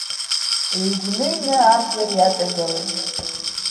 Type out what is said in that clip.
Еигәныҩны абџьар иаҵагылеит…